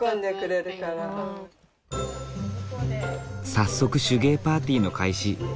早速手芸パーティーの開始。